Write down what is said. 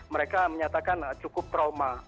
mereka menyatakan cukup trauma